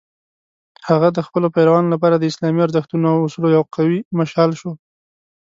هغه د خپلو پیروانو لپاره د اسلامي ارزښتونو او اصولو یو قوي مشال شو.